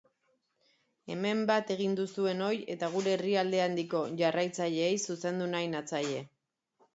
Hemen bat egin duzuenoi eta gure herrialde handiko jarraitzaileei zuzendu nahi natzaie.